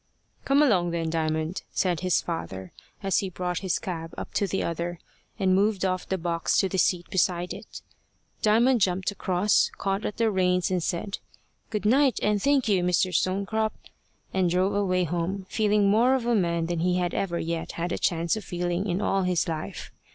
"Come along then, Diamond," said his father, as he brought his cab up to the other, and moved off the box to the seat beside it. Diamond jumped across, caught at the reins, said "Good night, and thank you, Mr. Stonecrop," and drove away home, feeling more of a man than he had ever yet had a chance of feeling in all his life.